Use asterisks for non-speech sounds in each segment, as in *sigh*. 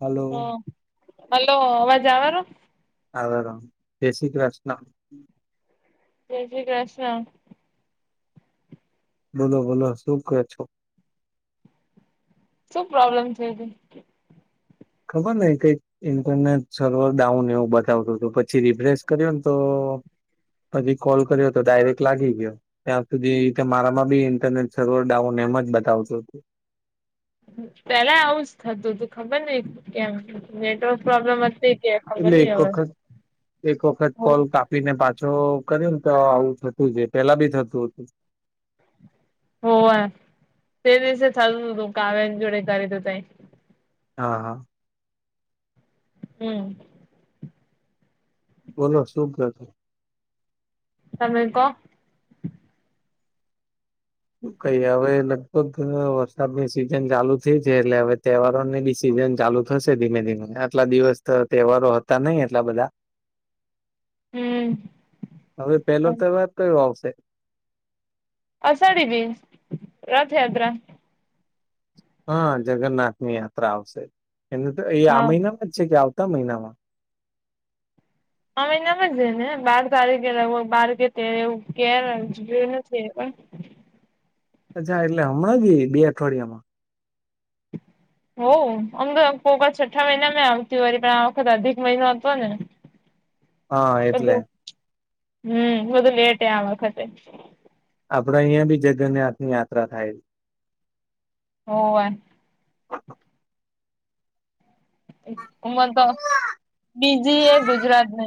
Hello હ, hello અવાજ આવરો આવેલો જય શ્રી કૃષ્ણ જય શ્રી કૃષ્ણ. બોલો, બોલો શું કહે છો? શું, પ્રોબ્લેમ થ ગ ખબર ને કઈક ઇન્ટરનેટ સર્વર ડાઉન એવું બતાવતું હતું, પછી રિફ્રેશ કર્યો ને તો તો પછી કોલ કર્યો, તો ડાયરેક્ટ લાગી ગયો, ત્યાં સુધી મારામા બી ઇન્ટરનેટ સર્વર ડાઉન એમ જ બતાવતું હતું પેલા આવુંજ થતું, તું ખબર નને ક્યા નેટવર્ક પ્રોબ્લેમ હતી કે ખબર એટલે નઈ એક હવે વખત એક વખત કોલ કાપીને પાછો. તો કર્યુંમ તો આવું થતું છે, પેલા બી થતું હતું હો, તે દિવસે થાલું તું કાવ્ય જોડે કરી દ ત હા, હા. હમ બોલો સૂખ ગતા તમે ક કઈ હવે, લગભગ વરસાદની સિઝન ચાલુ થઈ છે, એટલે હવે, તહેવારોની બિ સઝ ભજન ચાલુ થશે ધીમે ધીમે આટલા દિવસ તો તહેવારો હતા નહિ, એટલા બધા હમ હવે, પેલો તહેવાર કયો આવશે અસાાઢી, બી રથયાત્રા હા, જગન્નાથની યાત્રા આવશે, એને તો એ આ હા મહિનામાં જ છે, કે આવ મહિનામાં અમેિના બ છેને, બાર તારીખે લગભગ બાર કે તે એવું કું નથી હા *inaudible* અચ્છા એટલે હમણાં ગઈ, બે અઠવાડિયામાં હો, આમ તો પોગ છઠ્ઠા મહિના મે આવતી હોય, પણ આ વખત અધિક મહિનો હતો, ને હા એટલે. બધું હમ બધું લેટ આ વખતે. આપડ અહિયાયા બી જગન્નાથ ની યાત્રા થાય છે. હોવા. ઓ *unintelligible* ઉમર તો બીજી એ ગુજરાતને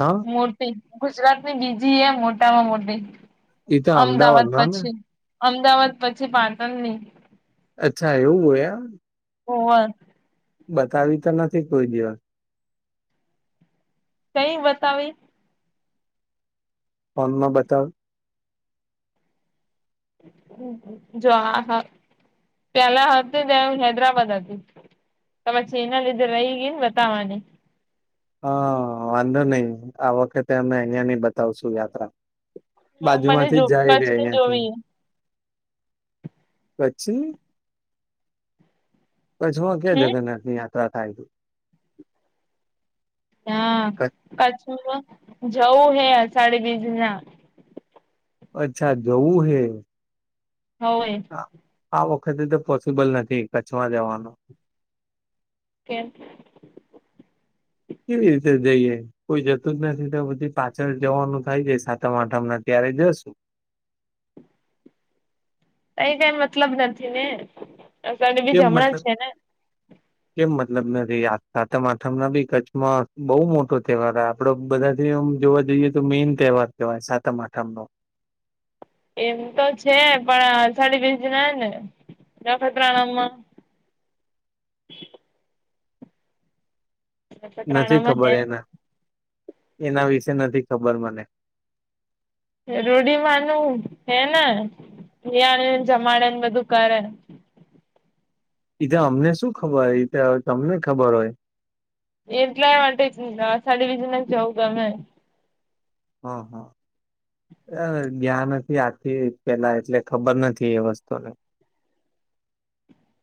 હા મોટી ગુજરાત ની બીજી એ મોટામાં મોટી. એ તો અમદાવાદ અમદાવાદમાં ને પછી અમદાવાદ પછી પાટણની અચ્છા એવું હોય હોવ. બતાવી તો નથી કોઈ દિવસ. કઈ બતાવી? ફોન માં બતાય. હ જો આ *unintelligible* તેના *unintelligible* હૈદરાબાદ હતી. તો પછી એના લીધે રહી ગઈ ને બતાવાની. હા વાંધો નહી આ વખતે અમે અહિયાયા ની બતાવશું યાત્રા. મને બાજુમાંથી જો જાય રહ્યા કચ્છની યાંથી. જોવી કછી? કચ્છમાં ક્યાં હમ જગન્નાથની યાત્રા થાય? હા કચ્છ કચ્છમાં જવું હે આસાડી બીજ ના અચ્છા જવું હે. હવે આ વખતે તો પોસિબલ નથી કચ્છમાં જવાનું. કેમ? કેવી રીતે જઈએ કોઈ જતું જ નથી તો બધી પાછળ જવાનું થાય જાય સાતમ આઠમ ના *unintelligible* કઈ- કઈ મતલબ નથી ને અ બી કેમ અમણા મતલબ છે ને? કેમ મતલબ નથી આ સાતમ આઠમ ના બી કચ્છમાં બહુ મોટો તહેવાર આપડો બધા જોવા જઈએ તો મેન તહેવાર કહેવાય સાતમ આઠમ નો. એમ તો છે. પણ સાડી બીસ ના ને દખત્ર નામાં *inaudible* નથી નખત્રાણામાં ખબર એના હે એના વિશે નથી ખબર મને રોઢિ માનું હે ને. એ આવે ને જમાડે ને બધું કરે. *inaudible* એ તો અમને શું ખબર હોય એતે તમને ખબર હોય. એટલા માટે અષાડી બીજ ના જઉ ગમે. હા હા. જ્યાં નથી આથી પેલા એટલે ખબર નથી એ વસ્તુને. *inaudible*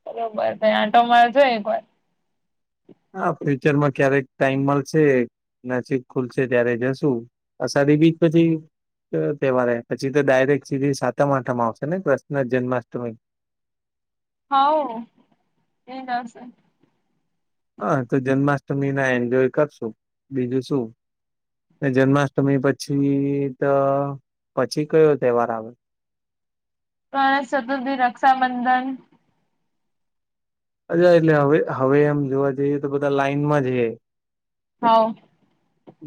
બરોબર તે આંટા માર જો એકવાર. હા ફ્યુચર માં ક્યારેક ટાઈમ મળશે નજીક ખુલશે ત્યારે જશું. અ એ બીજ પછી તહેવારે પછી તો ડાયરેક્ટ સીધી સાતમ આઠમ આવશે ને કૃષ્ણ જન્માષ્ટમી. *inaudible* હા એ *unintelligible* હા તો જન્માષ્ટમી ના એન્જોય કરશું બીજું શું. જન્માષ્ટમી પછી તો પછી કયો તહેવાર આવે? *inaudible* ગણેશ ચતુર્થી રક્ષાબંધન અને એટલે હવે હવે એમ જોવા જઈએ તો બધા લાાઈનમાં જ રે. હા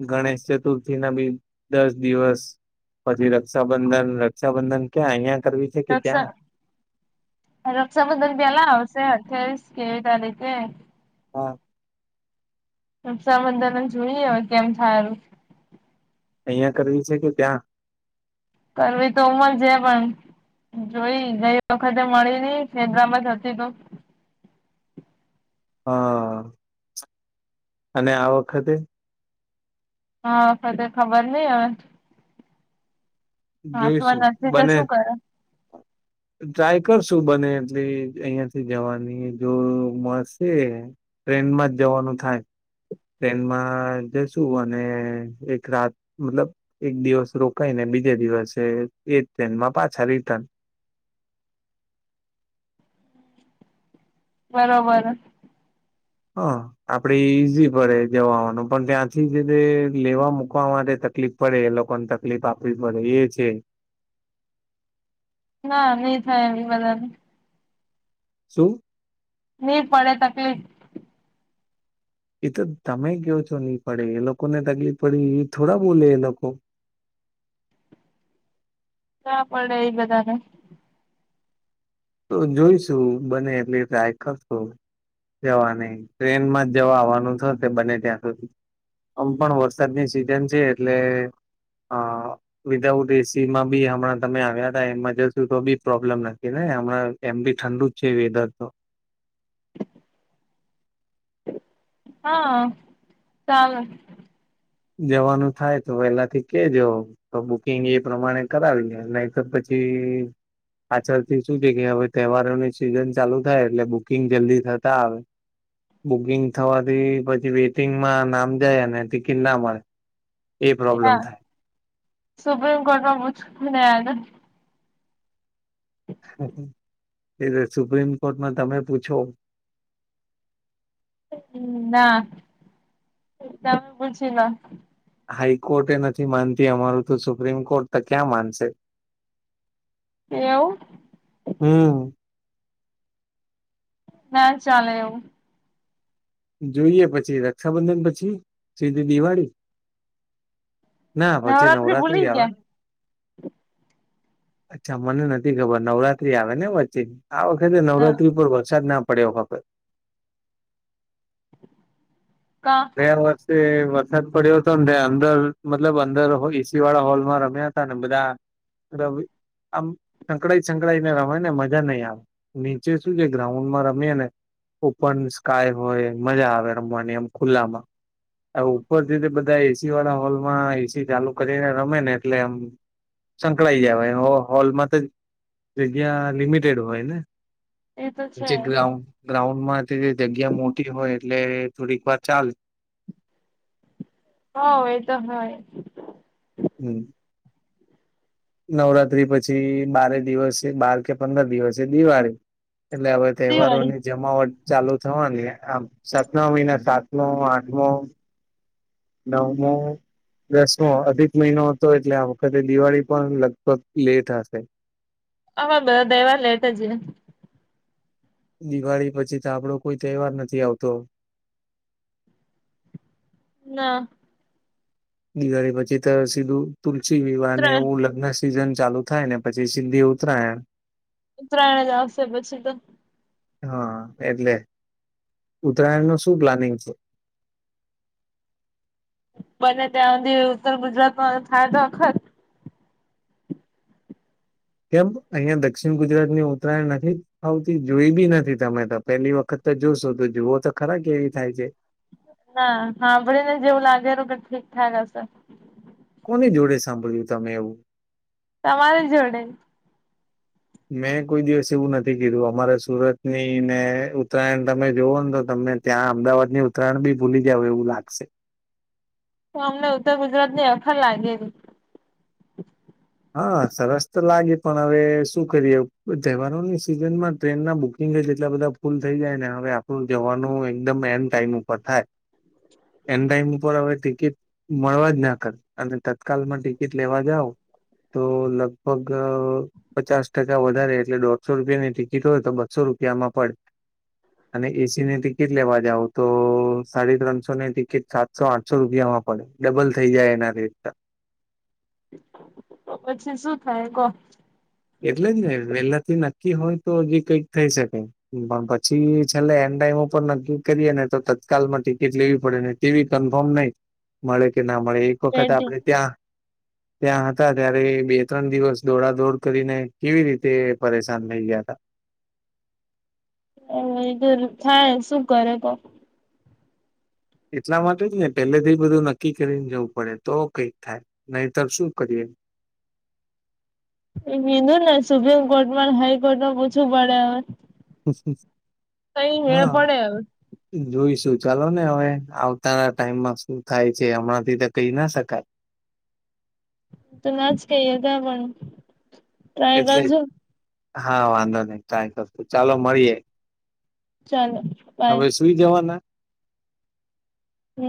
ગણેશ ચતુર્થી ના બી દસ દિવસ પછી રક્ષાબંધન રક્ષાબંધન ક્યાં અહીંયા રક્ષા રક્ષાબંધન પેલા આવશે. *unintelligible* હા રક્ષાબંધન જોઈએ હવે કેમ થાય અહિયાં કરવી છે કે ત્યાં? કરવી તો *unintelligible* છે પણ જોઈ ગઈ વખતે મળી નઇ *unintelligible* ધરતીકંપ હા અને આ વખતે હા ક ખબર નહ હવે હાથમાં જોઈશું નથી તો બને શું કરે ટ્રાય કરશું બને એ અહિયાંથી જવાની જો મળશે ટ્રેન માં જ જવાનું થાય ટ્રેનમાં જશુ અને એક રાત મતલબ એક દિવસ રોકાઈને બીજે દિવસે એ ટ્રેનમાં પાછા રિટર્ન બરોબર હા આપડે ઈઝી પડે જવા અવવાનું પણ ત્યાંથી જે છે લેવા મુૂકવા માટે તકલીફ પડે એ લોકોને તકલીફ આપવી પડે એ છે. હા નહી થાય *unintelligible* શું નહીં પડે તકલીફ એ તો તમે કો છો નહી પડે એ લોકોને તકલીફ પડી એ થોડા બોલે એ લોકો *inaudible* ના પડે એ બધાને તો જોઈશું બને એટલે ટ્રાય કરશો. જવાની ટ્રેનમાં જ જવા આવવાનું થાત એ બને ત્યાં સુધી આમ પણ વરસાદની સિઝન છે એટલે અ વિધાઉટ એસી માં બી હમણાં તમે આવ્યા તા ઇમરજન્સી તો બી પ્રોબ્લેમ નથી ને હા એમ બી ઠંડુ છે વેધર તો હા સાવ જવાનું થાય, તો વેલાથી કે જો તો બુકિંગ એ પ્રમાણે કરાવીનેે નહી તો પછ હમ પાછળથી શું છે કે હવે તહેવારોની સિઝન ચાલુ થાય એટલે બુકિંગ જલ્દી થતા આવે બુકિંગ થવાથી પછી વેટિંગમાં નામ જાય ને કે ના મળે એ પ્રોબ્લેમ ના થાય સુપ્રીમ કોર્ટમાં પૂછને એ સુપ્રીમ કોર્ટમાં તમે પૂછો *inaudible* હ ના તમે પૂછી લો હાઈકોર્ટે એ નથી માનતી અમારું તો સુપ્રીમ કોર્ટ તો ક્યાં માનશે એવું હમ ના ચાલે એવું જોઈએ પછી રક્ષાબંધન પછી સીધી દિવાળી ના પછી નવરાત્રી ભૂલી આવે ગયા અચ્છા મને નથી ખબર નવરાત્રી આવે ને વચ્ચે આ વખતે હ નવરાત્રી પર વરસાદ ના પડ્યો વખત કા ગયાવર્ષે વરસાદ પડ્યો હતો, ને અંદર મતલબ અંદર એસી વાળા હોલમાં રમ્યા હતા, ને બધા રવિ આમ સંકળાય સંકળાય ને રમા ને મજા નઈ આવે નીચે શું છે, ગ્રાઉન્ડમાં રમીએ ને ઓપન સ્કાય હોય, મજા આવે રમવાની એમ ખુલ્લામાં ઉપરથીતે બધા એસી વાળા હોલ માં એસી ચાલુ કરીને, રમે ને એટલે એમ સંકળાઈ જવાય હોલમાં, તો જગ્યા લિમિટેડ હોય ને એ તો છે જે ગ્રાઉન્ડ ગ્રાઉન્ડમાંથી, જગ્યા મોટી હોય એટલે થોડીક વાર ચાલ હ, એતો હોય હમ નવરાત્રી પછી બારે દિવસ છે, બાર કે પંદર દિવસ દિવાળી એટલે હવે, તહેવારો દિવાળી ની જમાવટ ચાલુ થવાની આમ, સાત ન મહિના સાતમો આઠમો નવમો દસમો અધિક મહિનો હતો, એટલે આ વખતે દિવાળી પણ લગભગ લેટ હશે. હમે, બધ દહેવાર લેટ જ દિવાળી પછી, તો આપડો કોઈ તહેવાર નથી આવતો. ના દિવાળી પછી, તો સીધું તુલસી વિવાહ અને ત્રણ એવું લગ્ન સીઝન ચાલુ થાય, ને પછી સીધી ઉતરાય ઉત્તરાયણ જ આવશે પછી, તો હા, એટલે ઉત્તરાયણ નું શું પ્લાનિંગ છે *inaudible* બને, ત્યાં સુધી ઉત્તર ગુજરાતમાં થાય તો વખત કેમ અહીંયા દક્ષિણ ગુજરાત ની ઉત્તરાયણ નથી આવતી જોઈ, બી નથી, તમે તો પેલી વખત તો જોુશું તો જુઓ, તો ખરા કેવી થાય છે ના સાંભળી ને જેવું લાગે, કે ઠીકઠાક હશે તની જોડે સાંભળ્યું તમે એવું તમારી જોડે *inaudible* મેં કોઈ દિવસ એવું નથી, કીધું અમારે સુરત ની ને ઉત્તરાયણ તમે જોવો ને તો તમને ત્યાં અમદાવાદ ની ઉત્તરાયણ, બી ભૂલી જાવ એવું લાગશે તો અમને ઉત્તર ગુજરાતની, અફર લાગેલી હા, સરસ તો લાગે પણ હવે, શું કરીએ તહેવારોની સિઝન માં ટ્રેન ના બુકિંગ જેટલા બધા ફૂલ થઈ જાય, ને હવે આપણું જવાનું એકદમ એન્ડ ટાઈમ ઉપર થાય. એન ટાઈમ ઉપર હવે, ટિકિટ મળવા જ ના કર અને તત્કાલમાં ટિકિટ લેવા જાવ તો લગભગ પચાસ ટકા વધારે, એટલે દોઢસો રૂપિયાની ટિકિટ હોય તો બસો રૂપ રૂપિયામાં પડે. અને એસીની ટિકિટ લેવા જાવ, તો સાડી ત્રણસોની ટિકિટ સાતસો આઠસો રૂપિયામાં પડે ડબલ થઈ જાય એના રેટ પછી શું થાય કો એટલે જ ને વેલાથી નક્કી હોય, તો હજી કઈક થઈ શકે પછી છેલ્લે એન્ડ ટાઈમ ઉપર નક્કી કરીએ ને તો તત્કાલમાં ટિકિટ, લેવી પડે ને તેવી કન્ફર્મ નહી, મળે કે ના મળે મળે એક વખત આપણે, ત્યાં ત્યાં હતા, ત્યારે બે ત્રણ દિવસ દોડા દોડ કરીને કેવી રીતે પરેશાન થઈ, ગયા હતા. હધર થાય, શું કરે તો એટલા માટે જ ને પેલેથી, બધું નક્કી કરીને જવું પડે તો કઈક થાય, નહીતર શું કરીએ એ વિધુ ને સુપ્રીમ કોર્ટમાં હાઈ, કોર્ટમાં પૂછવું પડે હ હા, પડે હવે જોઈશું ચાલો ને હવે, આવતા ટાઈમમાં શું થાય છે, હમણાં થી, તો કહી ના શકાય *inaudible* તો ના જ કએ તો પણ ટ્રાય એટલે કરજો. હા, વાંધો નહી ટ્રાય કરશું. ચાલો મળીએ. ચાલો. બાય હવે, સુઈ જવાના.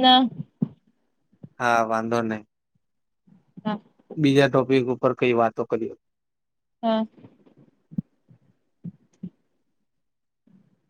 ના. હા, વાંધો નહી. હા. બીજા ટોપિક ઉપર કઈ વાતો કરીએ. હા.